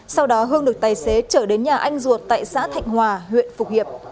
sau đó hương được tài xế trở đến nhà anh ruột tại xã thạnh hòa huyện phục hiệp